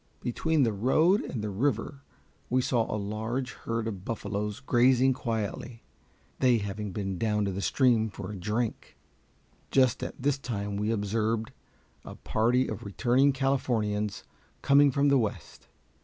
Between the road and the river we saw a large herd of buffaloes grazing quietly, they having been down to the stream for a drink. Just at this time we observed a party of returning Californians coming from the West.